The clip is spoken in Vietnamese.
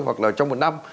hoặc là trong một năm